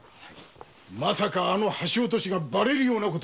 まさかあの橋落としがバレるようなことはあるまいな。